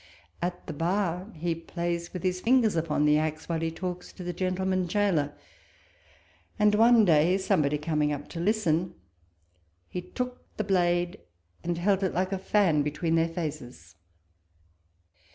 At the bar, he plays with his fingers upon the axe, while he talks to the gentleman gaoler ; and one day somebody commg up to listen, he took the blade and held it like a fan between their faces.